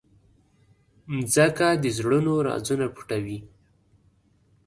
مځکه د زړونو رازونه پټوي.